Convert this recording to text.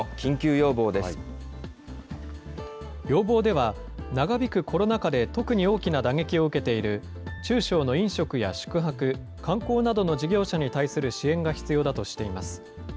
要望では、長引くコロナ禍で特に大きな打撃を受けている中小の飲食や宿泊、観光などの事業者に対する支援が必要だとしています。